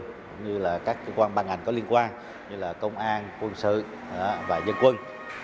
tùy thủ phương các cơ quan băng ảnh có liên quan như công an quân sự và nhân quân